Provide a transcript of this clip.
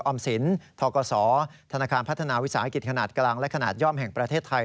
ออมสินทกศธนาคารพัฒนาวิสาหกิจขนาดกลางและขนาดย่อมแห่งประเทศไทย